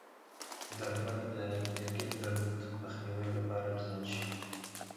درمل د مېګرین درد مخنیوي لپاره ډیزاین شوي دي.